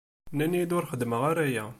Nnan-iyi-d ur xeddmeɣ ara aya.